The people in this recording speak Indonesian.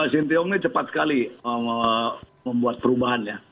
sintayong ini cepat sekali membuat perubahan